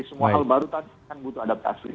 semua hal baru tadi kan butuh adaptasi